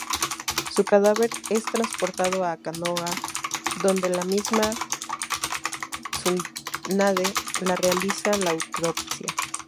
Su cadáver es transportado a Konoha, donde la misma Tsunade le realiza la autopsia.